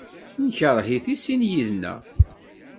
Nekṛeh-it i sin yid-nneɣ.